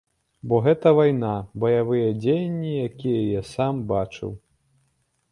Бо гэта вайна, баявыя дзеянні, якія я сам бачыў.